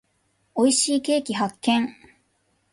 美味しいケーキ発見。